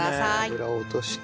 油を落として。